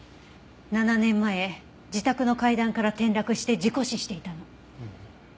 ７年前自宅の階段から転落して事故死していたの。